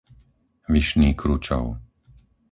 Vyšný Kručov